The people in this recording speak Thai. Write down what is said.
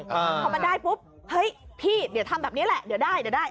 พอมันได้ปุ๊บเฮ้ยพี่เดี๋ยวทำแบบนี้แหละเดี๋ยวได้เดี๋ยวได้